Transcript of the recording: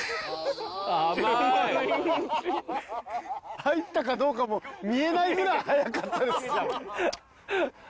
入ったかどうかも見えないぐらい速かったですよ。